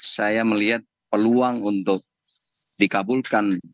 saya melihat peluang untuk dikabulkan